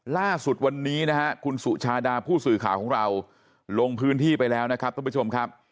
ล่าสุดวันนี้นะฮะคุณสุชาดาผู้สื่อข่าวของเราลงพื้นที่ไปแล้วนะครับท่านผู้ชมครับ